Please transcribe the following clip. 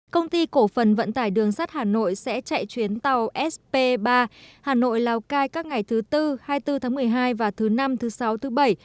công ty cổ phần vận tải đường sắt hà nội sẽ chạy chuyến tàu sp ba hà nội lào cai các ngày thứ tư hai mươi bốn tháng một mươi hai và thứ năm thứ sáu thứ bảy